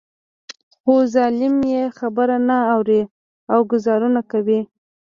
خو ظالم يې خبره نه اوري او ګوزارونه کوي.